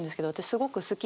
すごく好きで。